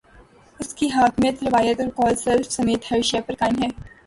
اس کی حاکمیت، روایت اور قول سلف سمیت ہر شے پر قائم ہے۔